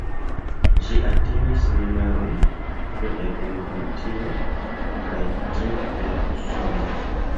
Ĝi atingis numeron du en Britio, kaj tri en Usono.